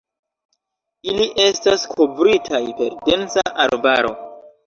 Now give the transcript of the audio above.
Ili estas kovritaj per densa arbaro.